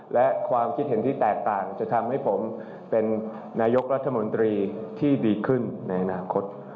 และความคิดเห็นที่แตกต่างจะทำให้ผมเป็นนายกรัฐมนตรีที่ดีขึ้นในอนาคต